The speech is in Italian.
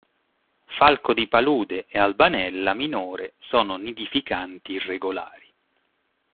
Falco di palude e Albanella minore sono nidificanti irregolari.